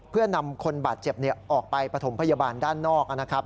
เพื่อนำคนบาดเจ็บออกไปปฐมพยาบาลด้านนอกนะครับ